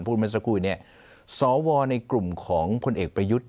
พูดเสียดังนั้นส่วนครั้งนั่นสอวรในกลุ่มของพลังเอกประยุติธิ์